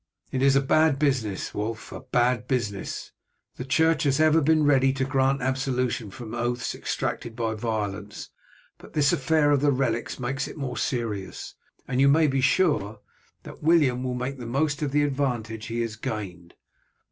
It is a bad business, Wulf, a bad business. The church has ever been ready to grant absolution from oaths extracted by violence, but this affair of the relics makes it more serious, and you may be sure that William will make the most of the advantage he has gained.